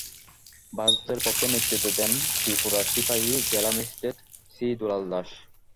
ভারতের পক্ষে নেতৃত্ব দেন ত্রিপুরার সিপাহী জেলা ম্যাজিস্ট্রেট শ্রী দুলাল দাস।